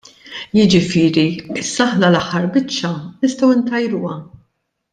Jiġifieri issa aħna l-aħħar biċċa, nistgħu ntajruha.